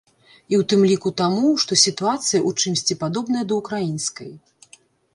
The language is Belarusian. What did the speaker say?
І ў тым ліку таму, што сітуацыя ў чымсьці падобная да ўкраінскай.